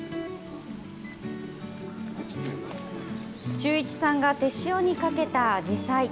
忠一さんが手塩にかけたあじさい。